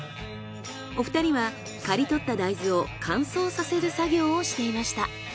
お二人は刈り取った大豆を乾燥させる作業をしていました。